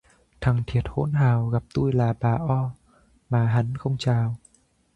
Thằng thiệt hỗn hào, gặp tui là bà O mà hắn không chào